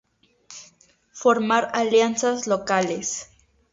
Formar alianzas locales.